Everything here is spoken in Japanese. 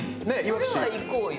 それは行こうよ。